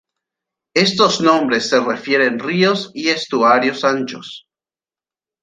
Estos nombres se refieren ríos y estuarios anchos.